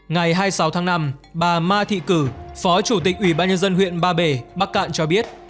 ngày hai mươi sáu tháng năm bà ma thị cử phó chủ tịch ủy ban nhân dân huyện ba bể bắc cạn cho biết